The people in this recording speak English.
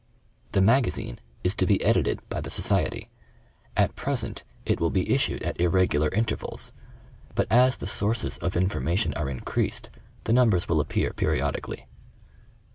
The Magazine is to be edited by the Society. At present it will be issued at irregular intervals, but as the sources of infor mation are increased the numbers will appear periodicallj